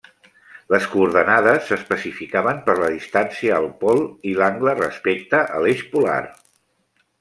Les coordenades s'especificaven per la distància al pol i l'angle respecte a l'eix polar.